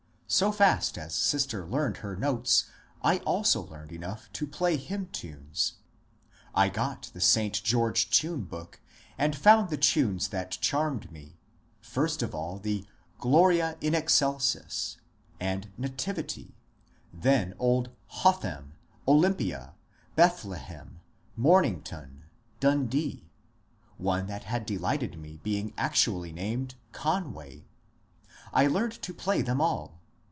So fast as sister learned her notes I also learned enough to play hymn tunes. I got the St. George tune book and found the tunes that charmed me, — first of all the ^^ Gloria in Excelsis" and *\Nativity ;" then old " Hotham," " Olympia," " Bethlehem," ^* Momington," ^^ Dundee," — one that had delighted me being actuaUy named *^ Conway." I learned to play them all.